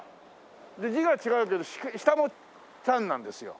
で字が違うけど下も「餐」なんですよ。